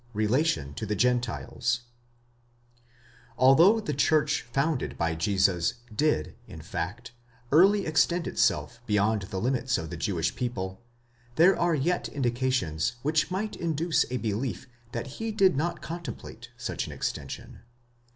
RELATION TO THE GENTILES, Although the church founded by Jesus did, in fact, early extend itself beyond the limits of the Jewish people, there are yet indications which might induce a belief that he did not contemplate such an extension.!